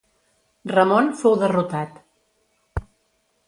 Ramon fou derrotat.